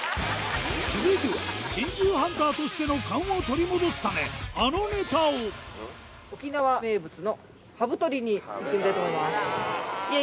続いては珍獣ハンターとしての勘を取り戻すためあのネタをに行ってみたいと思います。